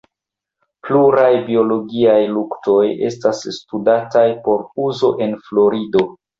Pluraj biologiaj luktoj estas studataj por uzo en Florido.